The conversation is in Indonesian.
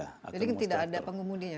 jadi tidak ada pengumumdianya